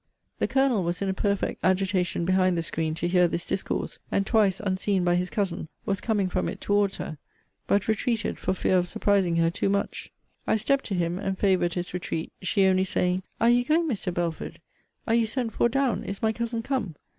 The Colonel was in a perfect agitation behind the screen to hear this discourse; and twice, unseen by his cousin, was coming from it towards her; but retreated for fear of surprising her too much. I stept to him, and favoured his retreat; she only saying, Are you going, Mr. Belford? Are you sent for down? Is my cousin come?